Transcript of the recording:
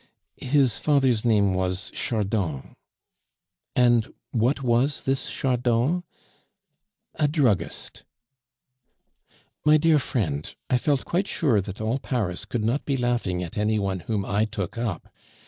"His father's name was Chardon." "And what was this Chardon?" "A druggist." "My dear friend, I felt quite sure that all Paris could not be laughing at any one whom I took up.